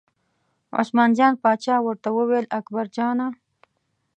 عثمان جان پاچا ورته وویل اکبرجانه!